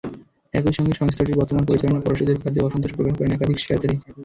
একই সঙ্গে সংস্থাটির বর্তমান পরিচালনা পর্ষদের কাজেও অসন্তোষ প্রকাশ করেন একাধিক শেয়ারধারী।